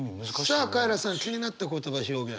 さあカエラさん気になった言葉表現。